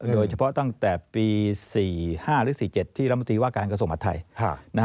โดยเฉพาะตั้งแต่ปี๔๕๔๗ที่ลำนฤดีว่าการกสมภัยไทย